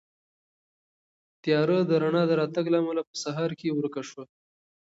تیاره د رڼا د راتګ له امله په سهار کې ورکه شوه.